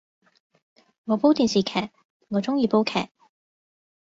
我煲電視劇，我鍾意煲劇